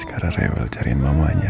sekarang rewel cariin mamanya